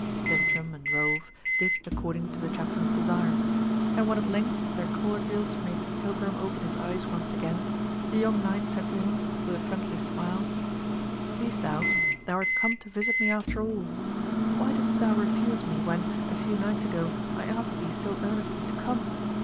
Sintram and Rolf did according to the chaplain's desire: and when at length their cordials made the pilgrim open his eyes once again, the young knight said to him, with a friendly smile, "Seest thou? thou art come to visit me after all. Why didst thou refuse me when, a few nights ago, I asked thee so earnestly to come?